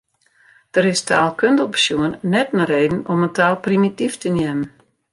Der is taalkundich besjoen net in reden om in taal primityf te neamen.